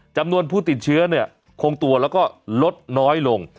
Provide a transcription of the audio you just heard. จำนวนผู้ติดเชื้อเนี่ยคงตัวแล้วก็ลดน้อยลง